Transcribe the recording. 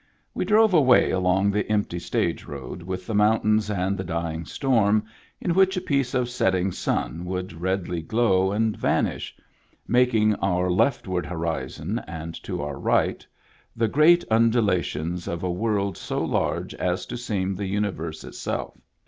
We drove away along the empty stage road, with the mountains and the dying storm, in which a piece of setting sun would redly glow and vanish, making our leftward horizon, and to our right the great undulations of a world so large as to seem the universe itself.